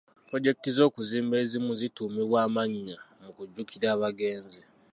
Pulojekiti z'okuzimba ezimu zituumibwa amannya mu kujjukira abagenzi.